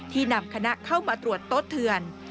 ที่นำคณะเข้ามาตรวจต้นเถือน